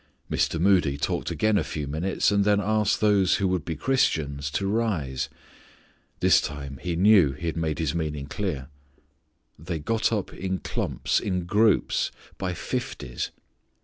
Mr. Moody talked again a few minutes, and then asked those who would be Christians to rise. This time he knew he had made his meaning clear. They got up in clumps, in groups, by fifties!